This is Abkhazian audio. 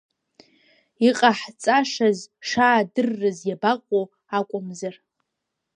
Иҟаҳҵашаз шаадыррыз, иабаҟоу акәымзар…